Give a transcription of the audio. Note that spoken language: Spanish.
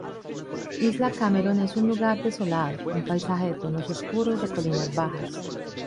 Isla Cameron es un lugar desolado: un paisaje de tonos oscuros de colinas bajas.